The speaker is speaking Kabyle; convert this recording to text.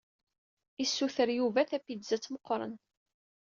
Isuter Yuba tapizat muqqren.